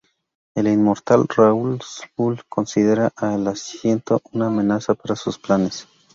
El inmortal Ra's al Ghul considera a El Ciento una amenaza para sus planes.